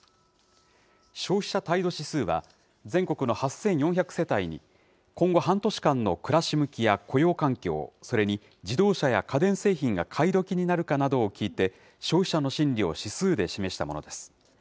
消費者態度指数は、全国の８４００世帯に今後半年間の暮らし向きや雇用環境、それに自動車や家電製品が買い時になるかなどを聞いて、消費者の心理を指数で示したものです。